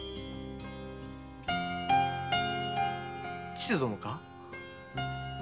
・千勢殿か？